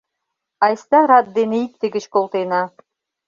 Айста, рат дене икте гыч колтена.